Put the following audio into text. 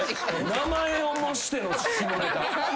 名前を模しての下ネタ。